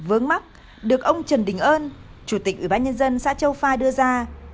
các phương mắc được ông trần đình ơn chủ tịch ủy ban nhân dân xã châu pha đưa ra